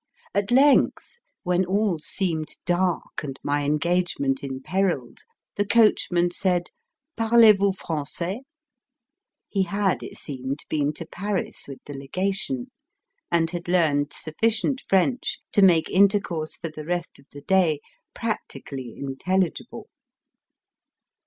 At length, when aU seemed dark and my engagement imperilled, the coachman said, " Parlez vous Frangais? " He had, it seemed, been to Paris with the Lega tion, and had learned sufficient French to make intercourse for the rest of the day practically inteUigible.